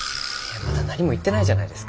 まだ何も言ってないじゃないですか。